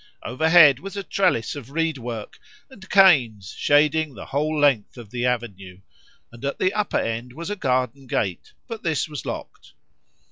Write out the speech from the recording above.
[FN#41] Overhead was a trellis of reed work and canes shading the whole length of the avenue, and at the upper end was a garden gate, but this was locked.